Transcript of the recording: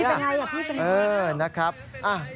พี่เป็นอะไรพี่เป็นอะไร